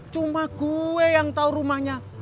cuma gue yang tahu rumahnya